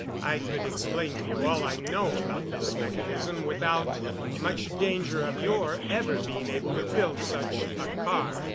I could explain to you all I know about this mechanism without much danger of your ever being able to build such a car.